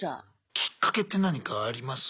きっかけって何かあります？